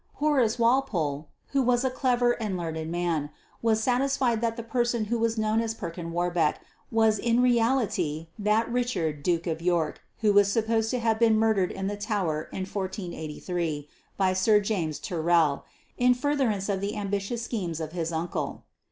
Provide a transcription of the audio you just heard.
Horace Walpole, who was a clever and learned man, was satisfied that the person who was known as Perkin Warbeck was in reality that Richard Duke of York who was supposed to have been murdered in the Tower in 1483 by Sir James Tyrrell, in furtherance of the ambitious schemes of his uncle.